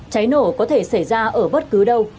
cháy nổ có thể xảy ra ở bất cứ đâu